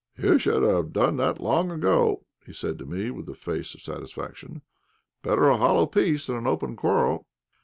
"You should have done that long ago," he said to me, with a face of satisfaction. "Better a hollow peace than an open quarrel."